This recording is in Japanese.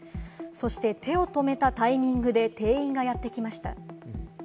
そして手を止めたタイミングで店員がやってきました。